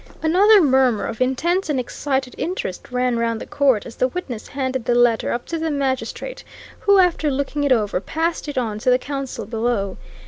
Another murmur of intense and excited interest ran round the court as the witness handed the letter up to the magistrate, who, after looking it over, passed it on to the counsel below.